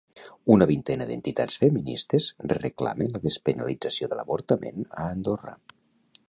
Una vintena d'entitats feministes reclamen la despenalització de l'avortament a Andorra.